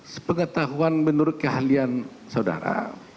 sepengetahuan menurut keahlian saudara